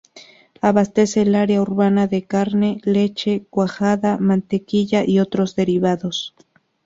Abastece el área urbana de carne, leche, cuajada, mantequilla y otros derivados.